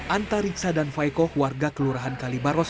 anta riksa dan faikoh warga kelurahan kalibaros